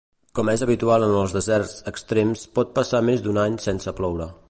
Com és habitual en els deserts extrems pot passar més d'un any sense ploure.